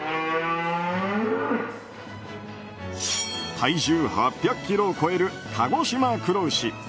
体重８００ｋｇを超える鹿児島黒牛。